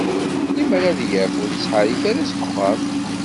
Limmer ad yaf ur yettḥarrik ara seg uxxam.